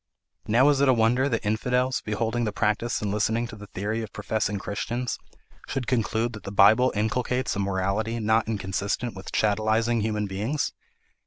"Now is it a wonder that infidels, beholding the practice and listening to the theory of professing Christians, should conclude that the Bible inculcates a morality not inconsistent with chattelising human beings?